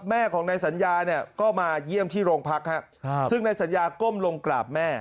แม่ของนายสัญญาเนี่ยก็มาเยี่ยมที่โรงพักฮะซึ่งในสัญญาก้มลงกราบแม่